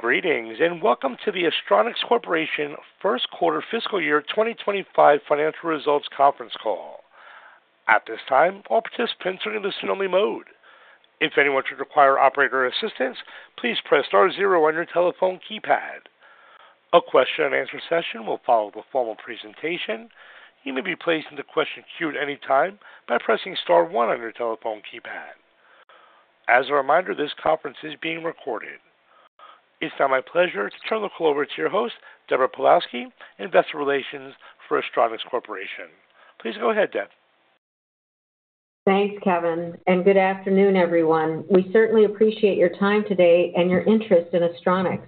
Greetings and welcome to the Astronics Corporation First Quarter Fiscal Year 2025 Financial Results Conference Call. At this time, all participants are in listen-only mode. If anyone should require operator assistance, please press star zero on your telephone keypad. A question-and-answer session will follow the formal presentation. You may be placed in the question queue at any time by pressing star one on your telephone keypad. As a reminder, this conference is being recorded. It's now my pleasure to turn the call over to your host, Deborah Pawlowski, Investor Relations for Astronics Corporation. Please go ahead, Deb. Thanks, Kevin, and good afternoon, everyone. We certainly appreciate your time today and your interest in Astronics.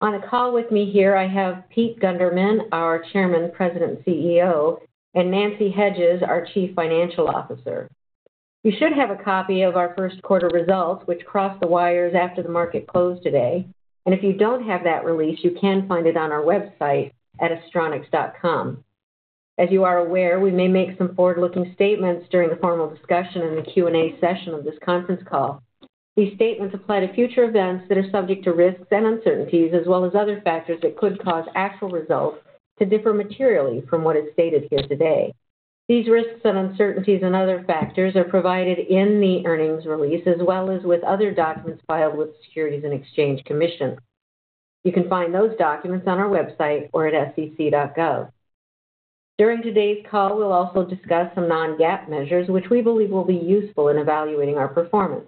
On the call with me here, I have Pete Gunderman, our Chairman, President, CEO, and Nancy Hedges, our Chief Financial Officer. You should have a copy of our first quarter results, which crossed the wires after the market closed today. If you do not have that release, you can find it on our website at astronics.com. As you are aware, we may make some forward-looking statements during the formal discussion and the Q&A session of this conference call. These statements apply to future events that are subject to risks and uncertainties, as well as other factors that could cause actual results to differ materially from what is stated here today. These risks and uncertainties and other factors are provided in the earnings release, as well as with other documents filed with the Securities and Exchange Commission. You can find those documents on our website or at sec.gov. During today's call, we'll also discuss some non-GAAP measures, which we believe will be useful in evaluating our performance.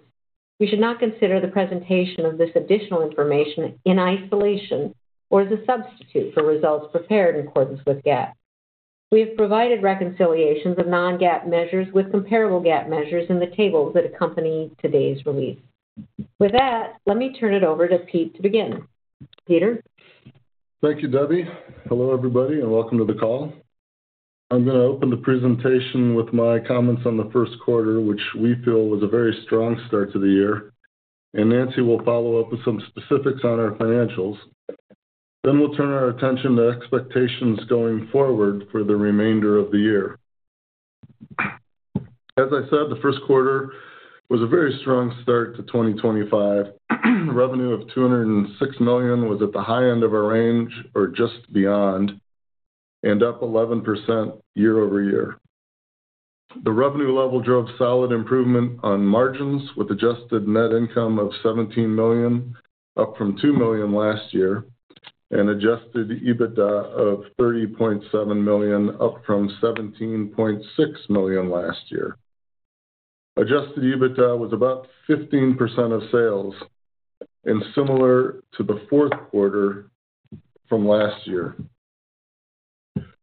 We should not consider the presentation of this additional information in isolation or as a substitute for results prepared in accordance with GAAP. We have provided reconciliations of non-GAAP measures with comparable GAAP measures in the tables that accompany today's release. With that, let me turn it over to Pete to begin. Peter? Thank you, Debbie. Hello, everybody, and welcome to the call. I'm going to open the presentation with my comments on the first quarter, which we feel was a very strong start to the year. Nancy will follow up with some specifics on our financials. We will turn our attention to expectations going forward for the remainder of the year. As I said, the first quarter was a very strong start to 2025. Revenue of $206 million was at the high end of our range, or just beyond, and up 11% year over year. The revenue level drove solid improvement on margins, with adjusted net income of $17 million, up from $2 million last year, and adjusted EBITDA of $30.7 million, up from $17.6 million last year. Adjusted EBITDA was about 15% of sales, and similar to the fourth quarter from last year.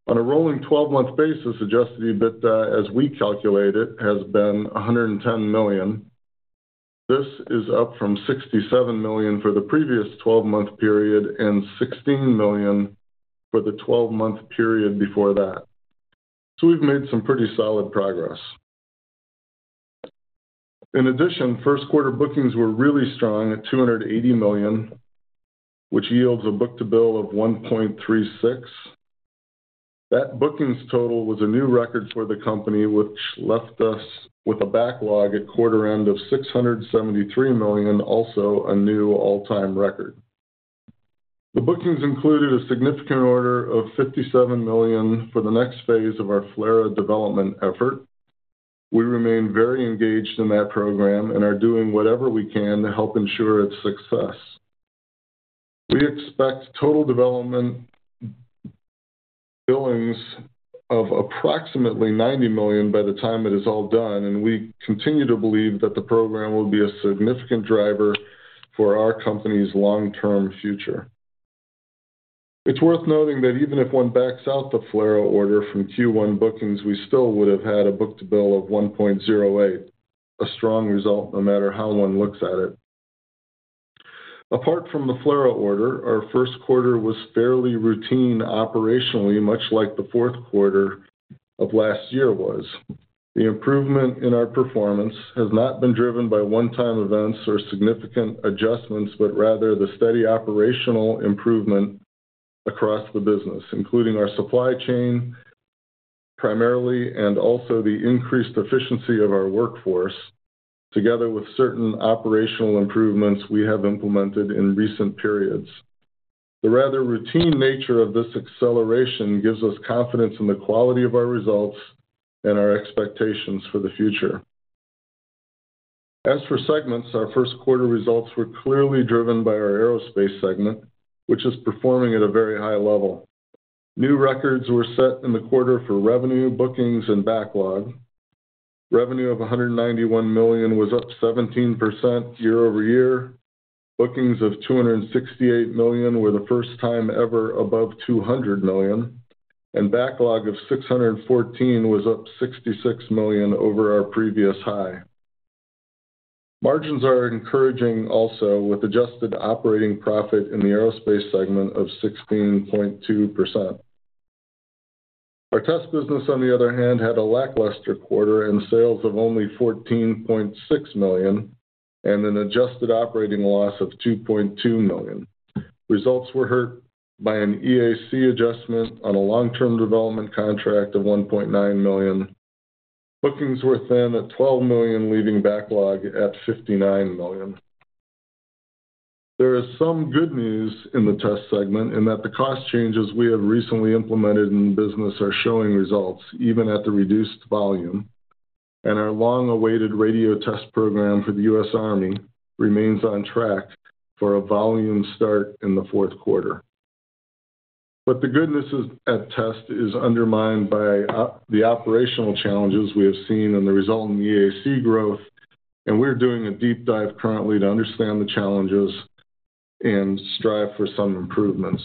On a rolling 12-month basis, adjusted EBITDA, as we calculate it, has been $110 million. This is up from $67 million for the previous 12-month period and $16 million for the 12-month period before that. We have made some pretty solid progress. In addition, first quarter bookings were really strong at $280 million, which yields a book-to-bill of $1.36. That bookings total was a new record for the company, which left us with a backlog at quarter-end of $673 million, also a new all-time record. The bookings included a significant order of $57 million for the next phase of our FLARAA development effort. We remain very engaged in that program and are doing whatever we can to help ensure its success. We expect total development billings of approximately $90 million by the time it is all done, and we continue to believe that the program will be a significant driver for our company's long-term future. It's worth noting that even if one backs out the FLARAA order from Q1 bookings, we still would have had a book-to-bill of $1.08, a strong result no matter how one looks at it. Apart from the FLARAA order, our first quarter was fairly routine operationally, much like the fourth quarter of last year was. The improvement in our performance has not been driven by one-time events or significant adjustments, but rather the steady operational improvement across the business, including our supply chain primarily and also the increased efficiency of our workforce, together with certain operational improvements we have implemented in recent periods. The rather routine nature of this acceleration gives us confidence in the quality of our results and our expectations for the future. As for segments, our first quarter results were clearly driven by our aerospace segment, which is performing at a very high level. New records were set in the quarter for revenue, bookings, and backlog. Revenue of $191 million was up 17% year over year. Bookings of $268 million were the first time ever above $200 million, and backlog of $614 million was up $66 million over our previous high. Margins are encouraging also, with adjusted operating profit in the aerospace segment of 16.2%. Our test business, on the other hand, had a lackluster quarter and sales of only $14.6 million and an adjusted operating loss of $2.2 million. Results were hurt by an EAC adjustment on a long-term development contract of $1.9 million. Bookings were thin at $12 million, leaving backlog at $59 million. There is some good news in the test segment in that the cost changes we have recently implemented in business are showing results, even at the reduced volume, and our long-awaited radio test program for the U.S. Army remains on track for a volume start in the fourth quarter. The goodness at test is undermined by the operational challenges we have seen and the resultant EAC growth, and we're doing a deep dive currently to understand the challenges and strive for some improvements.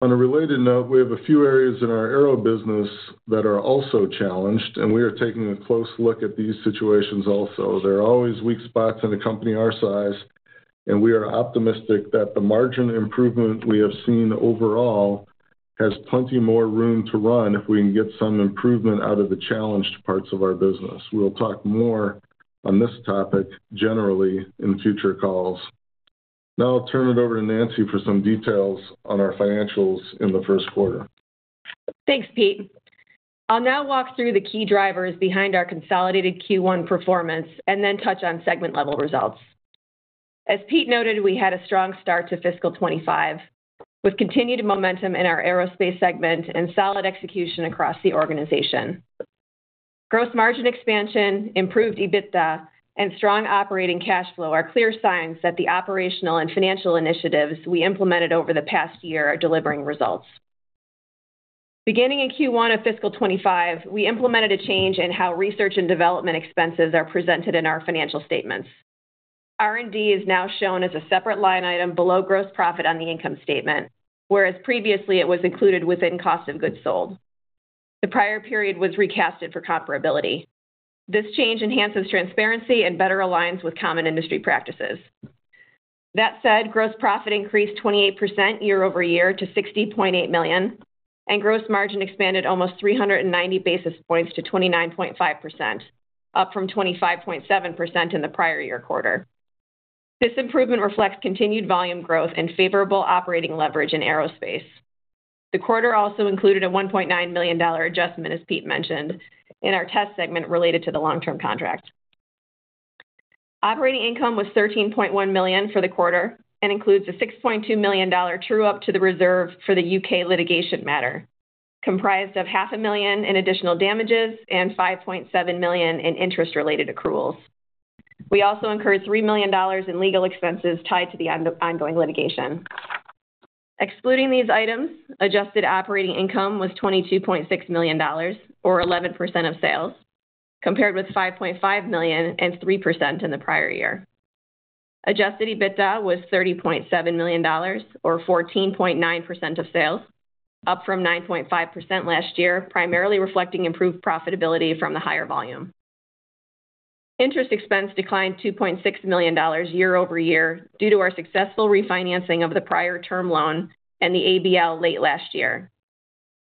On a related note, we have a few areas in our aero business that are also challenged, and we are taking a close look at these situations also. There are always weak spots in a company our size, and we are optimistic that the margin improvement we have seen overall has plenty more room to run if we can get some improvement out of the challenged parts of our business. We'll talk more on this topic generally in future calls. Now I'll turn it over to Nancy for some details on our financials in the first quarter. Thanks, Pete. I'll now walk through the key drivers behind our consolidated Q1 performance and then touch on segment-level results. As Pete noted, we had a strong start to fiscal 2025 with continued momentum in our aerospace segment and solid execution across the organization. Gross margin expansion, improved EBITDA, and strong operating cash flow are clear signs that the operational and financial initiatives we implemented over the past year are delivering results. Beginning in Q1 of fiscal 2025, we implemented a change in how research and development expenses are presented in our financial statements. R&D is now shown as a separate line item below gross profit on the income statement, whereas previously it was included within cost of goods sold. The prior period was recasted for comparability. This change enhances transparency and better aligns with common industry practices. That said, gross profit increased 28% year over year to $60.8 million, and gross margin expanded almost 390 basis points to 29.5%, up from 25.7% in the prior year quarter. This improvement reflects continued volume growth and favorable operating leverage in aerospace. The quarter also included a $1.9 million adjustment, as Pete mentioned, in our test segment related to the long-term contract. Operating income was $13.1 million for the quarter and includes a $6.2 million true-up to the reserve for the U.K. litigation matter, comprised of $500,000 in additional damages and $5.7 million in interest-related accruals. We also incurred $3 million in legal expenses tied to the ongoing litigation. Excluding these items, adjusted operating income was $22.6 million, or 11% of sales, compared with $5.5 million and 3% in the prior year. Adjusted EBITDA was $30.7 million, or 14.9% of sales, up from 9.5% last year, primarily reflecting improved profitability from the higher volume. Interest expense declined $2.6 million year over year due to our successful refinancing of the prior term loan and the ABL late last year.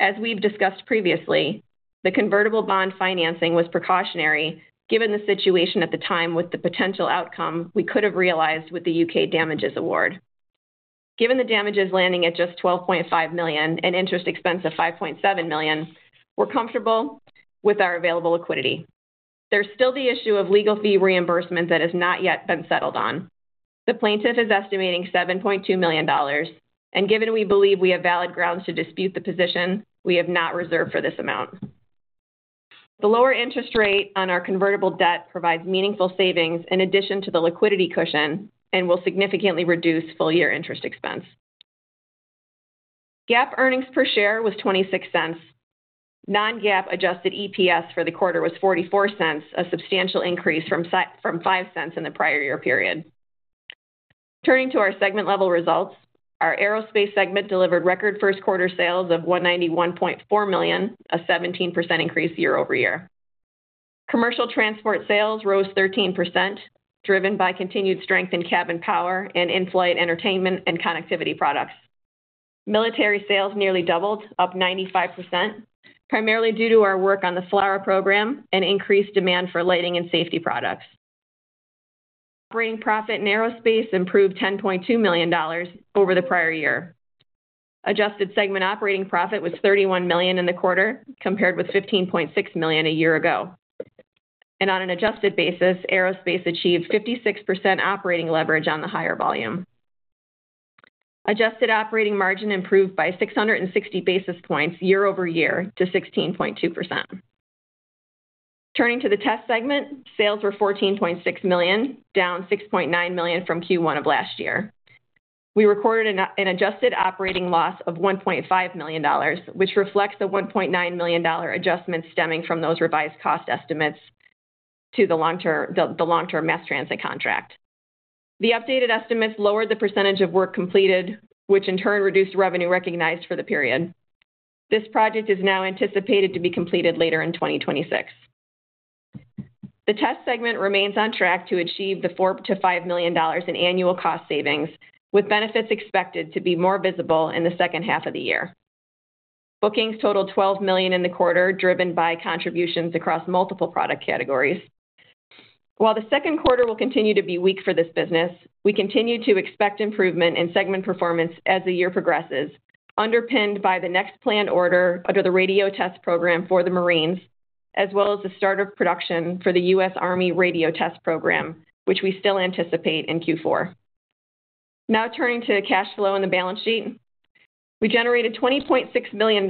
As we've discussed previously, the convertible bond financing was precautionary given the situation at the time with the potential outcome we could have realized with the U.K. damages award. Given the damages landing at just $12.5 million and interest expense of $5.7 million, we're comfortable with our available liquidity. There's still the issue of legal fee reimbursement that has not yet been settled on. The plaintiff is estimating $7.2 million, and given we believe we have valid grounds to dispute the position, we have not reserved for this amount. The lower interest rate on our convertible debt provides meaningful savings in addition to the liquidity cushion and will significantly reduce full-year interest expense. GAAP earnings per share was $0.26. Non-GAAP adjusted EPS for the quarter was $0.44, a substantial increase from $0.05 in the prior year period. Turning to our segment-level results, our aerospace segment delivered record first quarter sales of $191.4 million, a 17% increase year over year. Commercial transport sales rose 13%, driven by continued strength in cabin power and in-flight entertainment and connectivity products. Military sales nearly doubled, up 95%, primarily due to our work on the FLARAA program and increased demand for lighting and safety products. Operating profit in aerospace improved $10.2 million over the prior year. Adjusted segment operating profit was $31 million in the quarter, compared with $15.6 million a year ago. On an adjusted basis, aerospace achieved 56% operating leverage on the higher volume. Adjusted operating margin improved by 660 basis points year over year to 16.2%. Turning to the test segment, sales were $14.6 million, down $6.9 million from Q1 of last year. We recorded an adjusted operating loss of $1.5 million, which reflects the $1.9 million adjustment stemming from those revised cost estimates to the long-term mass transit contract. The updated estimates lowered the percentage of work completed, which in turn reduced revenue recognized for the period. This project is now anticipated to be completed later in 2026. The test segment remains on track to achieve the $4 million-$5 million in annual cost savings, with benefits expected to be more visible in the second half of the year. Bookings totaled $12 million in the quarter, driven by contributions across multiple product categories. While the second quarter will continue to be weak for this business, we continue to expect improvement in segment performance as the year progresses, underpinned by the next planned order under the radio test program for the Marines, as well as the start of production for the U.S. Army radio test program, which we still anticipate in Q4. Now turning to cash flow in the balance sheet, we generated $20.6 million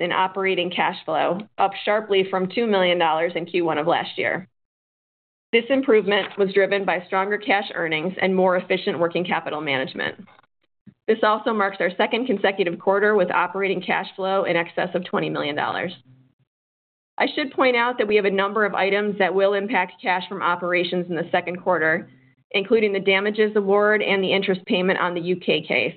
in operating cash flow, up sharply from $2 million in Q1 of last year. This improvement was driven by stronger cash earnings and more efficient working capital management. This also marks our second consecutive quarter with operating cash flow in excess of $20 million. I should point out that we have a number of items that will impact cash from operations in the second quarter, including the damages award and the interest payment on the U.K. case.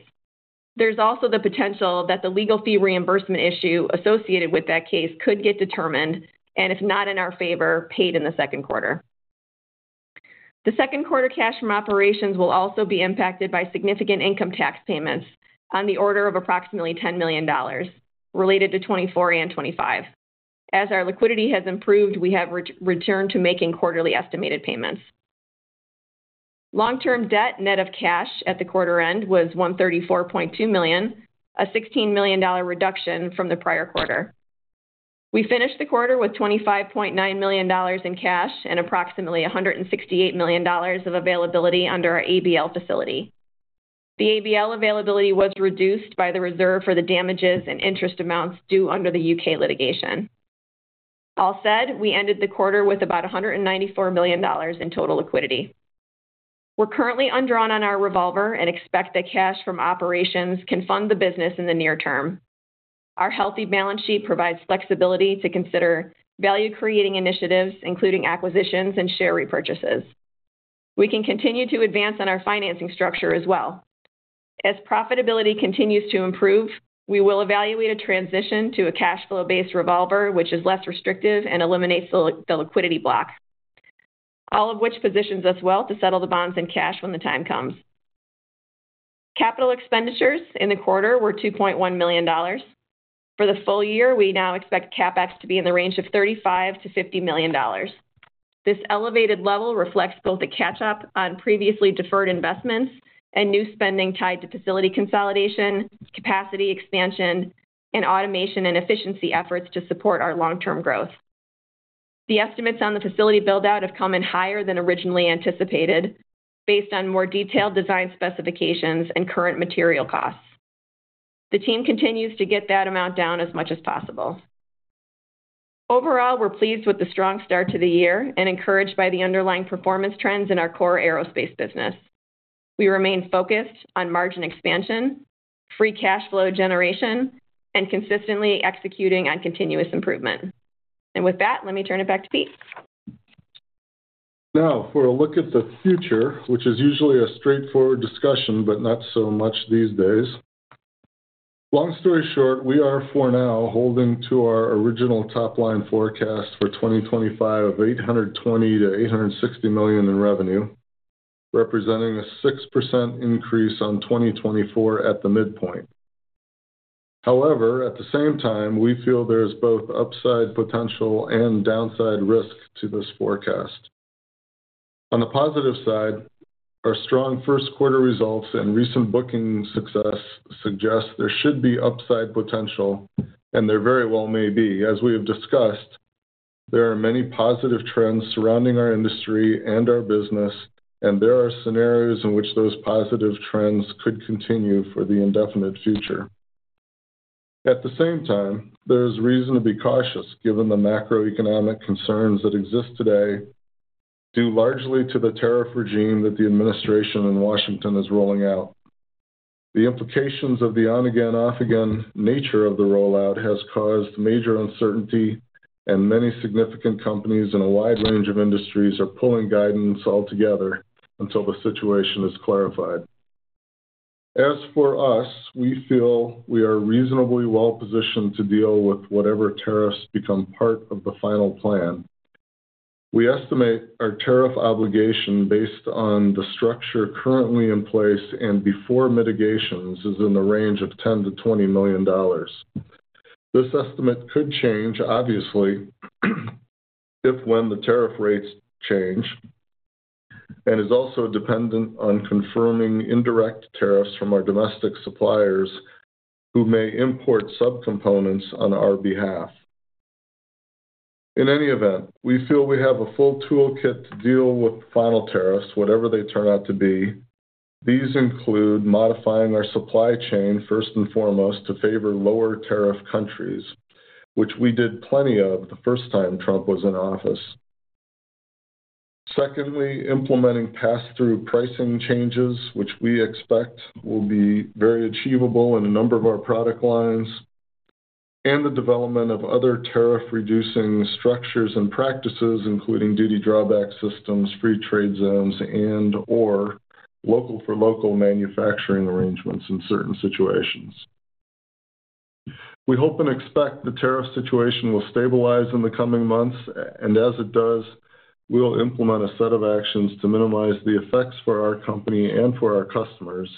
There's also the potential that the legal fee reimbursement issue associated with that case could get determined and, if not in our favor, paid in the second quarter. The second quarter cash from operations will also be impacted by significant income tax payments on the order of approximately $10 million related to 2024 and 2025. As our liquidity has improved, we have returned to making quarterly estimated payments. Long-term debt net of cash at the quarter end was $134.2 million, a $16 million reduction from the prior quarter. We finished the quarter with $25.9 million in cash and approximately $168 million of availability under our ABL facility. The ABL availability was reduced by the reserve for the damages and interest amounts due under the U.K. litigation. All said, we ended the quarter with about $194 million in total liquidity. We're currently undrawn on our revolver and expect that cash from operations can fund the business in the near term. Our healthy balance sheet provides flexibility to consider value-creating initiatives, including acquisitions and share repurchases. We can continue to advance on our financing structure as well. As profitability continues to improve, we will evaluate a transition to a cash flow-based revolver, which is less restrictive and eliminates the liquidity block, all of which positions us well to settle the bonds in cash when the time comes. Capital expenditures in the quarter were $2.1 million. For the full year, we now expect CapEx to be in the range of $35 million-$50 million. This elevated level reflects both a catch-up on previously deferred investments and new spending tied to facility consolidation, capacity expansion, and automation and efficiency efforts to support our long-term growth. The estimates on the facility build-out have come in higher than originally anticipated, based on more detailed design specifications and current material costs. The team continues to get that amount down as much as possible. Overall, we're pleased with the strong start to the year and encouraged by the underlying performance trends in our core aerospace business. We remain focused on margin expansion, free cash flow generation, and consistently executing on continuous improvement. With that, let me turn it back to Pete. Now, for a look at the future, which is usually a straightforward discussion, but not so much these days. Long story short, we are for now holding to our original top-line forecast for 2025 of $820 million-$860 million in revenue, representing a 6% increase on 2024 at the midpoint. However, at the same time, we feel there is both upside potential and downside risk to this forecast. On the positive side, our strong first quarter results and recent booking success suggest there should be upside potential, and there very well may be. As we have discussed, there are many positive trends surrounding our industry and our business, and there are scenarios in which those positive trends could continue for the indefinite future. At the same time, there is reason to be cautious given the macroeconomic concerns that exist today, due largely to the tariff regime that the administration in Washington is rolling out. The implicati ons of the on-again, off-again nature of the rollout have caused major uncertainty, and many significant companies in a wide range of industries are pulling guidance altogether until the situation is clarified. As for us, we feel we are reasonably well-positioned to deal with whatever tariffs become part of the final plan. We estimate our tariff obligation based on the structure currently in place and before mitigations is in the range of $10 million-$20 million. This estimate could change, obviously, if when the tariff rates change, and is also dependent on confirming indirect tariffs from our domestic suppliers who may import subcomponents on our behalf. In any event, we feel we have a full toolkit to deal with final tariffs, whatever they turn out to be. These include modifying our supply chain first and foremost to favor lower tariff countries, which we did plenty of the first time Trump was in office. Secondly, implementing pass-through pricing changes, which we expect will be very achievable in a number of our product lines, and the development of other tariff-reducing structures and practices, including duty drawback systems, free trade zones, and/or local-for-local manufacturing arrangements in certain situations. We hope and expect the tariff situation will stabilize in the coming months, and as it does, we'll implement a set of actions to minimize the effects for our company and for our customers,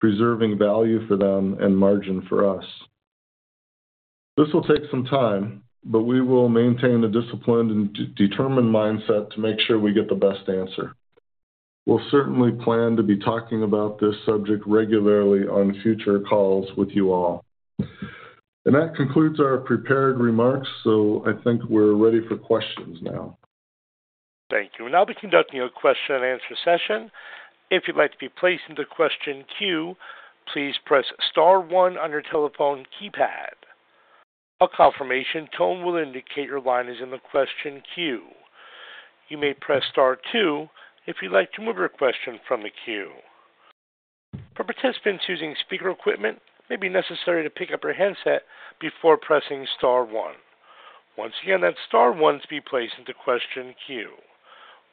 preserving value for them and margin for us. This will take some time, but we will maintain a disciplined and determined mindset to make sure we get the best answer. We'll certainly plan to be talking about this subject regularly on future calls with you all. That concludes our prepared remarks, so I think we're ready for questions now. Thank you. Now we'll be conducting a question-and-answer session. If you'd like to be placed in the question queue, please press Star 1 on your telephone keypad. A confirmation tone will indicate your line is in the question queue. You may press Star 2 if you'd like to move your question from the queue. For participants using speaker equipment, it may be necessary to pick up your handset before pressing Star 1. Once again, that Star 1 is to be placed in the question queue.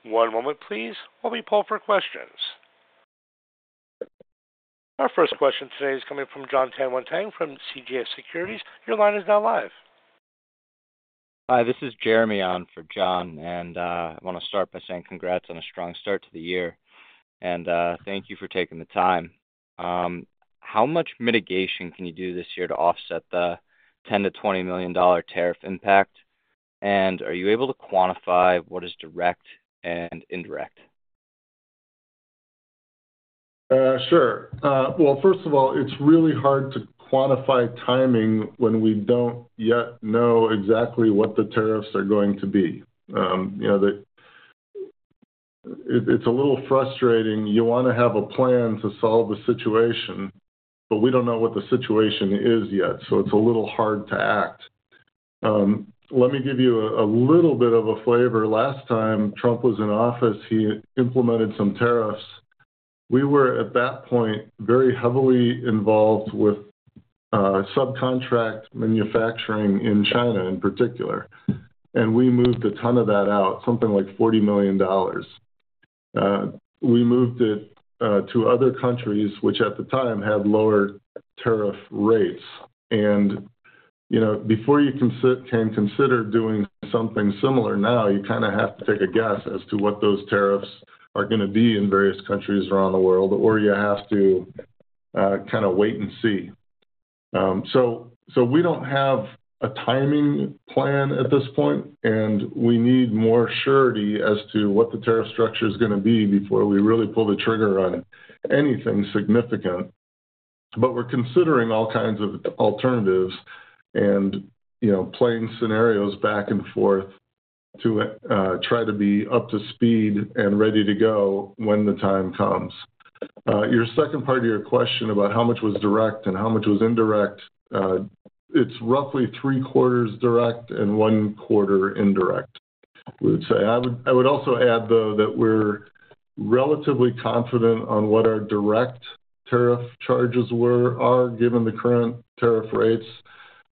One moment, please, while we pull up our questions. Our first question today is coming from Jon Tanwanteng from CJS Securities. Your line is now live. Hi, this is Jeremy on for Jon, and I want to start by saying congrats on a strong start to the year, and thank you for taking the time. How much mitigation can you do this year to offset the $10-$20 million tariff impact, and are you able to quantify what is direct and indirect? Sure. First of all, it's really hard to quantify timing when we don't yet know exactly what the tariffs are going to be. It's a little frustrating. You want to have a plan to solve a situation, but we don't know what the situation is yet, so it's a little hard to act. Let me give you a little bit of a flavor. Last time Trump was in office, he implemented some tariffs. We were, at that point, very heavily involved with subcontract manufacturing in China in particular, and we moved a ton of that out, something like $40 million. We moved it to other countries, which at the time had lower tariff rates. Before you can consider doing something similar now, you kind of have to take a guess as to what those tariffs are going to be in various countries around the world, or you have to kind of wait and see. We do not have a timing plan at this point, and we need more surety as to what the tariff structure is going to be before we really pull the trigger on anything significant. We are considering all kinds of alternatives and playing scenarios back and forth to try to be up to speed and ready to go when the time comes. Your second part of your question about how much was direct and how much was indirect, it is roughly three-quarters direct and one-quarter indirect, we would say. I would also add, though, that we are relatively confident on what our direct tariff charges are given the current tariff rates.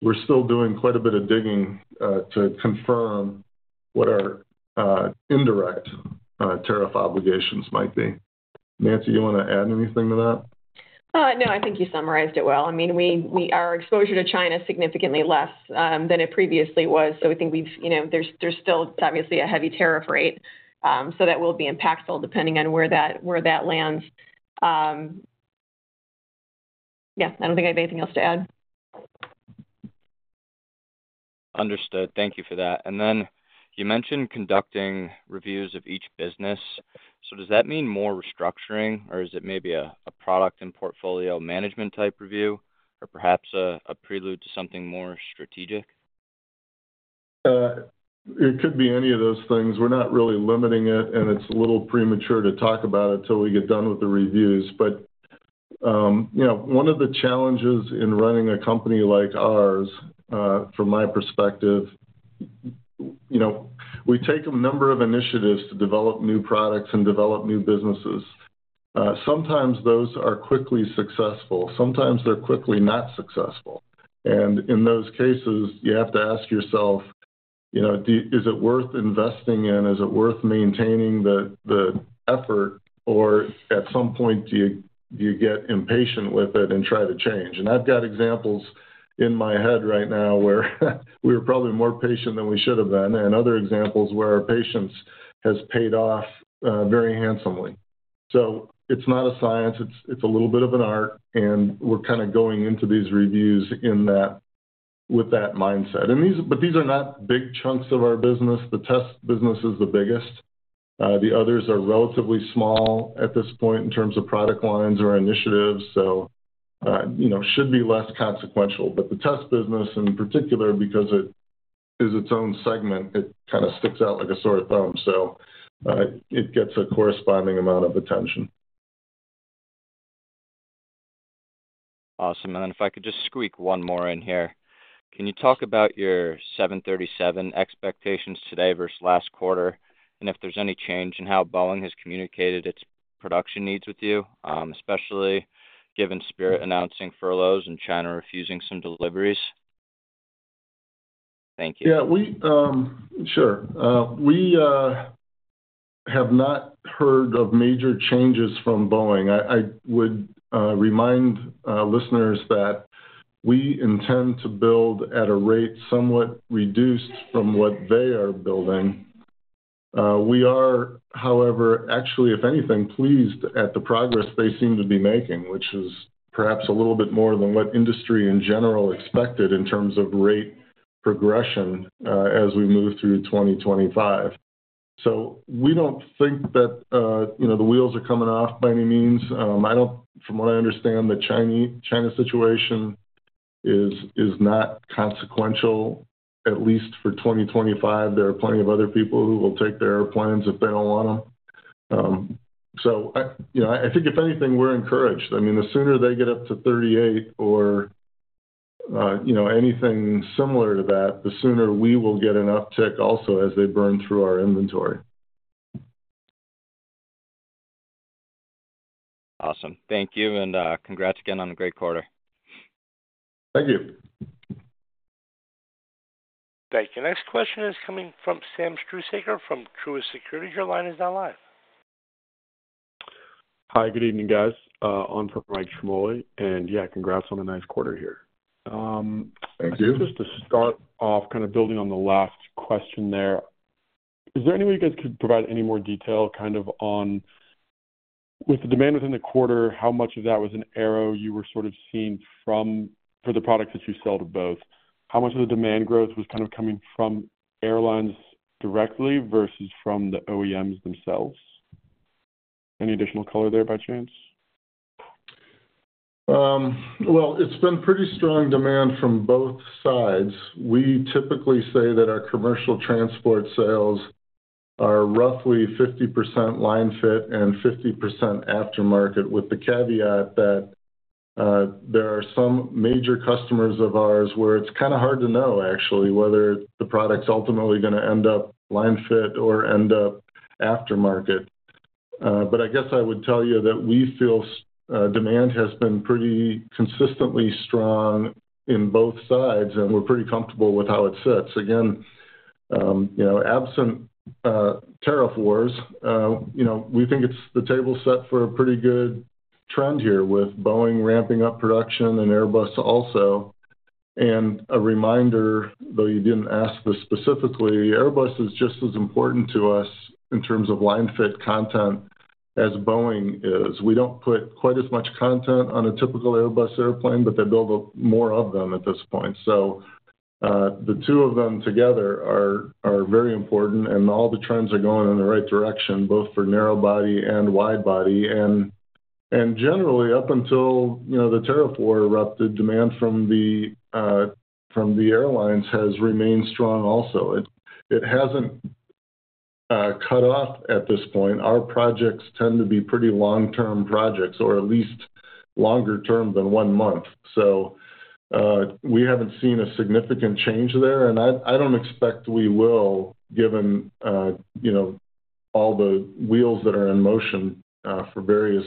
We're still doing quite a bit of digging to confirm what our indirect tariff obligations might be. Nancy, you want to add anything to that? No, I think you summarized it well. I mean, our exposure to China is significantly less than it previously was, so I think there's still obviously a heavy tariff rate, so that will be impactful depending on where that lands. Yeah, I don't think I have anything else to add. Understood. Thank you for that. You mentioned conducting reviews of each business. Does that mean more restructuring, or is it maybe a product and portfolio management type review, or perhaps a prelude to something more strategic? It could be any of those things. We're not really limiting it, and it's a little premature to talk about it till we get done with the reviews. One of the challenges in running a company like ours, from my perspective, we take a number of initiatives to develop new products and develop new businesses. Sometimes those are quickly successful. Sometimes they're quickly not successful. In those cases, you have to ask yourself, is it worth investing in? Is it worth maintaining the effort? At some point, do you get impatient with it and try to change? I've got examples in my head right now where we were probably more patient than we should have been, and other examples where our patience has paid off very handsomely. It is not a science. It's a little bit of an art, and we're kind of going into these reviews with that mindset. These are not big chunks of our business. The test business is the biggest. The others are relatively small at this point in terms of product lines or initiatives, so should be less consequential. The test business, in particular, because it is its own segment, it kind of sticks out like a sore thumb, so it gets a corresponding amount of attention. Awesome. If I could just squeak one more in here. Can you talk about your 737 expectations today versus last quarter, and if there is any change in how Boeing has communicated its production needs with you, especially given Spirit announcing furloughs and China refusing some deliveries? Thank you. Yeah, sure. We have not heard of major changes from Boeing. I would remind listeners that we intend to build at a rate somewhat reduced from what they are building. We are, however, actually, if anything, pleased at the progress they seem to be making, which is perhaps a little bit more than what industry in general expected in terms of rate progression as we move through 2025. We do not think that the wheels are coming off by any means. From what I understand, the China situation is not consequential, at least for 2025. There are plenty of other people who will take their airplanes if they do not want them. I think, if anything, we are encouraged. I mean, the sooner they get up to 38 or anything similar to that, the sooner we will get an uptick also as they burn through our inventory. Awesome. Thank you, and congrats again on a great quarter. Thank you. Thank you. Next question is coming from Sam Struhsaker from Truist Securities. Your line is now live. Hi, good evening, guys. On for Mike Schmoly, and yeah, congrats on a nice quarter here. Thank you. Just to start off, kind of building on the last question there, is there any way you guys could provide any more detail kind of on, with the demand within the quarter, how much of that was an area you were sort of seeing for the products that you sell to both? How much of the demand growth was kind of coming from airlines directly versus from the OEMs themselves? Any additional color there by chance? It has been pretty strong demand from both sides. We typically say that our commercial transport sales are roughly 50% line fit and 50% aftermarket, with the caveat that there are some major customers of ours where it is kind of hard to know, actually, whether the product is ultimately going to end up line fit or end up aftermarket. I guess I would tell you that we feel demand has been pretty consistently strong in both sides, and we are pretty comfortable with how it sits. Again, absent tariff wars, we think the table is set for a pretty good trend here with Boeing ramping up production and Airbus also. A reminder, though you did not ask this specifically, Airbus is just as important to us in terms of line fit content as Boeing is. We don't put quite as much content on a typical Airbus airplane, but they build more of them at this point. The two of them together are very important, and all the trends are going in the right direction, both for narrow body and wide body. Generally, up until the tariff war erupted, demand from the airlines has remained strong also. It hasn't cut off at this point. Our projects tend to be pretty long-term projects, or at least longer-term than one month. We haven't seen a significant change there, and I don't expect we will, given all the wheels that are in motion for various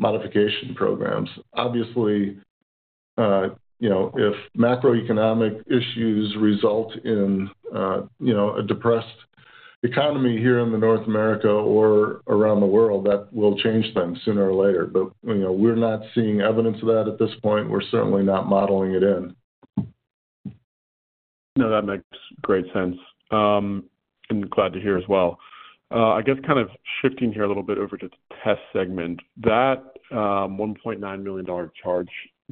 modification programs. Obviously, if macroeconomic issues result in a depressed economy here in North America or around the world, that will change things sooner or later. We're not seeing evidence of that at this point. We're certainly not modeling it in. No, that makes great sense. Glad to hear as well. I guess kind of shifting here a little bit over to the test segment, that $1.9 million charge,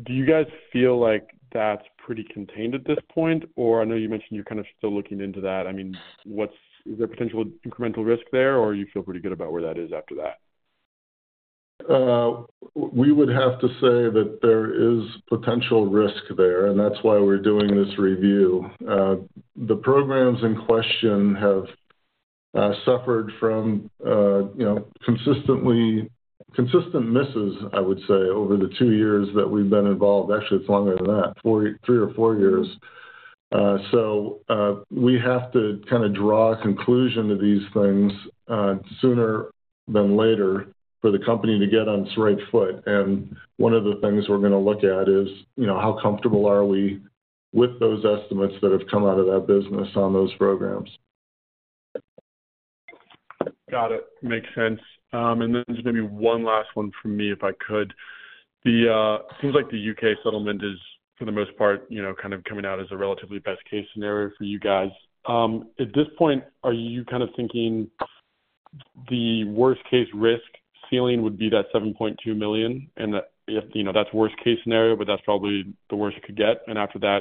do you guys feel like that's pretty contained at this point? I know you mentioned you're kind of still looking into that. I mean, is there potential incremental risk there, or you feel pretty good about where that is after that? We would have to say that there is potential risk there, and that's why we're doing this review. The programs in question have suffered from consistent misses, I would say, over the two years that we've been involved. Actually, it's longer than that, three or four years. We have to kind of draw a conclusion to these things sooner than later for the company to get on its right foot. One of the things we're going to look at is how comfortable are we with those estimates that have come out of that business on those programs. Got it. Makes sense. Just maybe one last one from me, if I could. It seems like the U.K. settlement is, for the most part, kind of coming out as a relatively best-case scenario for you guys. At this point, are you kind of thinking the worst-case risk ceiling would be that $7.2 million? That's worst-case scenario, but that's probably the worst it could get. After that,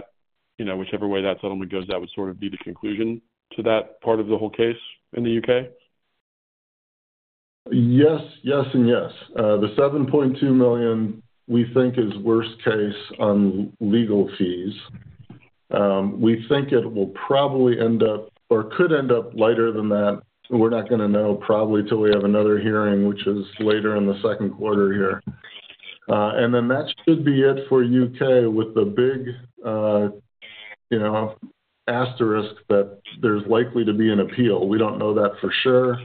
whichever way that settlement goes, that would sort of be the conclusion to that part of the whole case in the U.K.? Yes, yes, and yes. The $7.2 million, we think, is worst-case on legal fees. We think it will probably end up or could end up lighter than that. We're not going to know probably till we have another hearing, which is later in the second quarter here. That should be it for the U.K. with the big asterisk that there's likely to be an appeal. We don't know that for sure.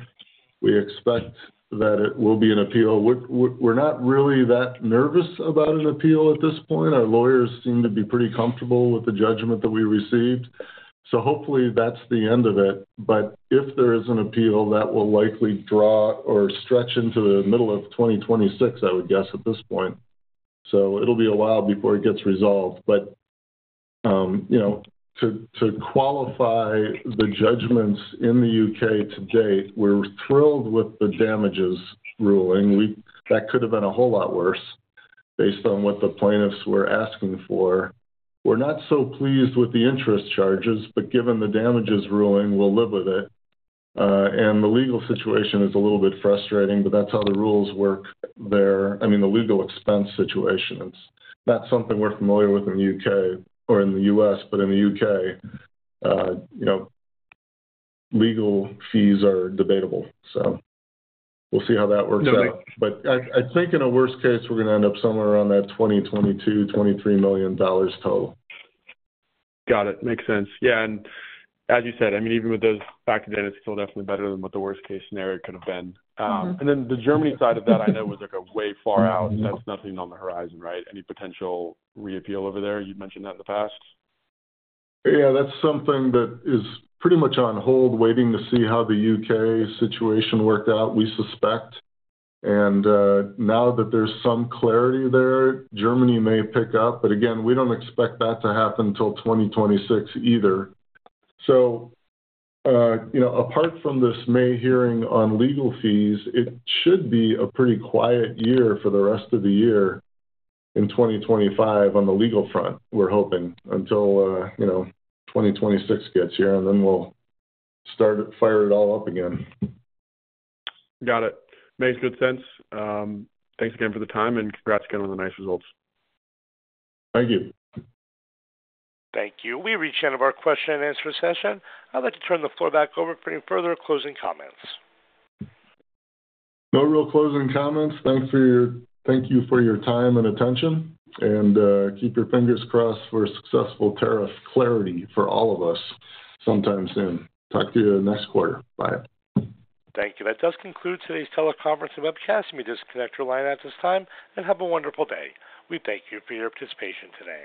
We expect that it will be an appeal. We're not really that nervous about an appeal at this point. Our lawyers seem to be pretty comfortable with the judgment that we received. Hopefully, that's the end of it. If there is an appeal, that will likely draw or stretch into the middle of 2026, I would guess, at this point. It will be a while before it gets resolved. To qualify the judgments in the U.K. to date, we're thrilled with the damages ruling. That could have been a whole lot worse based on what the plaintiffs were asking for. We're not so pleased with the interest charges, but given the damages ruling, we'll live with it. The legal situation is a little bit frustrating, but that's how the rules work there. I mean, the legal expense situation, it's not something we're familiar with in the U.K. or in the U.S., but in the U.K., legal fees are debatable. We'll see how that works out. I think in a worst case, we're going to end up somewhere around that $20-$22-$23 million total. Got it. Makes sense. Yeah. As you said, I mean, even with those factors in, it's still definitely better than what the worst-case scenario could have been. The Germany side of that, I know, was like a way far out. That's nothing on the horizon, right? Any potential reappeal over there? You've mentioned that in the past. Yeah, that's something that is pretty much on hold, waiting to see how the U.K. situation worked out, we suspect. Now that there's some clarity there, Germany may pick up. Again, we don't expect that to happen till 2026 either. Apart from this May hearing on legal fees, it should be a pretty quiet year for the rest of the year in 2025 on the legal front, we're hoping, until 2026 gets here, and then we'll start to fire it all up again. Got it. Makes good sense. Thanks again for the time, and congrats again on the nice results. Thank you. Thank you. We've reached the end of our question and answer session. I'd like to turn the floor back over for any further closing comments. No real closing comments. Thank you for your time and attention, and keep your fingers crossed for successful tariff clarity for all of us sometime soon. Talk to you next quarter. Bye. Thank you. That does conclude today's teleconference and webcast. You may disconnect your line at this time and have a wonderful day. We thank you for your participation today.